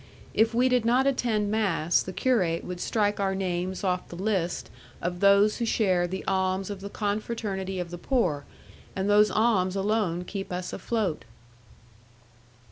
If we did not attend mass, the curate would strike our names off the list of those who share the alms of the Confraternity of the Poor, and those alms alone keep us afloat."